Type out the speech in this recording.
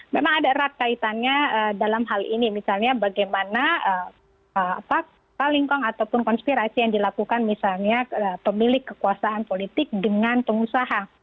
memang ada rakaitannya dalam hal ini misalnya bagaimana palingkong ataupun konspirasi yang dilakukan misalnya pemilik kekuasaan politik dengan pengusaha